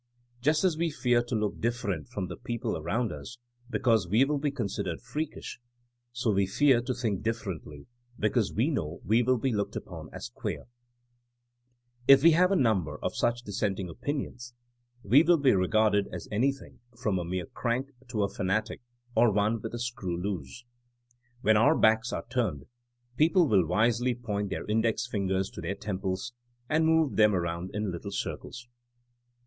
Just as we fear to look different from the people around us be cause we will be considered freakish, so we fear to think differently because we know we will be looked upon as queer/' If we have a number of such dissenting opinions we will be regarded as anything from a mere crank to a fanatic or one with a screw loose. '' When our backs are turned people will wisely point their index fin gers to their temples and move them around in little circles.